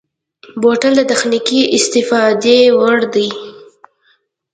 بوتل د تخنیکي استفادې وړ دی.